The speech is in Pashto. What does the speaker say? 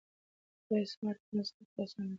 ایا سمارټ فون زده کړه اسانه کړې ده؟